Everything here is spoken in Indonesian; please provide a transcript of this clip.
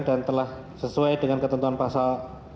dan telah sesuai dengan ketentuan pasal